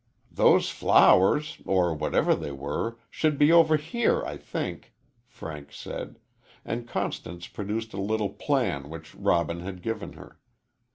"Those flowers, or whatever they were, should be over here, I think," Frank said, and Constance produced a little plan which Robin had given her.